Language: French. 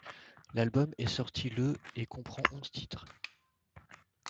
L'album est sorti le et comprend onze titres.